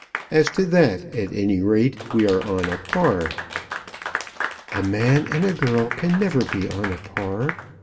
As to that, at any rate we are on a par." "A man and a girl can never be on a par.